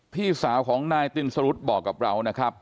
พี่สาวของนายตินสรุตบอกกับเรานะครับ